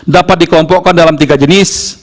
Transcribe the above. dapat dikelompokkan dalam tiga jenis